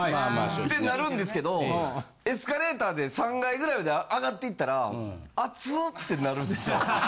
ってなるんですけどエスカレーターで３階ぐらいまで上がっていったら暑ぅってなるでしょ？